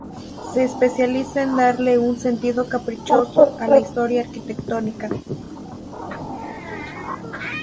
Se especializa en darle un sentido caprichoso a la historia arquitectónica.